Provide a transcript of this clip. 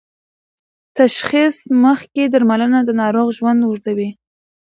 تشخیص مخکې درملنه د ناروغ ژوند اوږدوي.